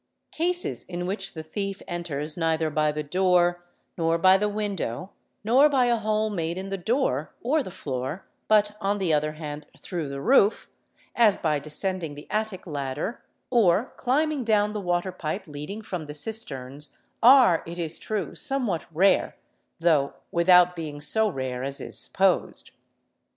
Cases in which the thief enters neither by the door, nor by the window, nor by a hole made in the door or the floor, but on the other hand through the roof, as by descending the attic ladder, or climbing down the water pipe leading from the cisterns, are, it is true, somewhat rare, though without being so rare as is supposed.